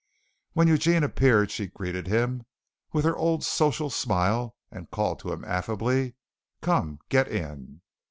When Eugene appeared she greeted him with her old social smile and called to him affably: "Come, get in."